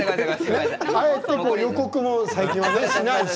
あえて予告も最近はねしないし。